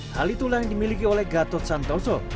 hal itulah yang dimiliki oleh gatot santoso